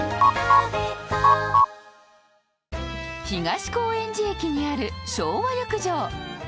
東高円寺駅にある昭和浴場。